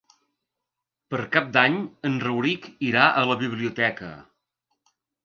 Per Cap d'Any en Rauric irà a la biblioteca.